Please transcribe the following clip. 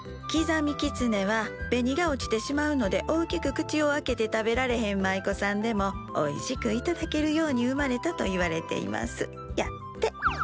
刻みきつねは紅が落ちてしまうので大きく口を開けて食べられへん舞妓さんでもおいしく頂けるように生まれたといわれていますやって。